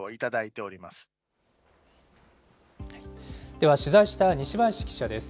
では、取材した西林記者です。